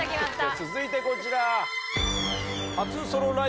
続いてこちら。